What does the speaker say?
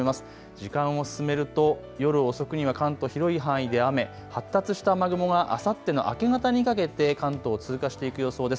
時間を進めると夜遅くには関東、広い範囲で雨、発達した雨雲があさっての明け方にかけて関東を通過していく予想です。